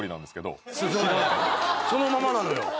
そのままなのよ。